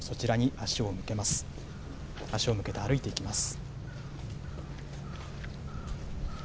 足を向けて歩いていきます。